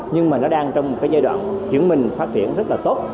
nhưng mà nó đang trong một cái giai đoạn chuyển mình phát triển rất là tốt